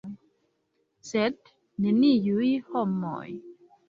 Sed neniuj homoj.